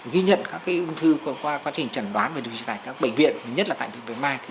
ghi nhận các cái ung thư qua quá trình chẩn đoán và được truyền tại các bệnh viện nhất là tại bệnh viện mai